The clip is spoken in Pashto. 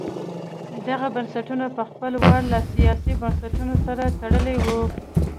دغه بنسټونه په خپل وار له سیاسي بنسټونو سره تړلي وو.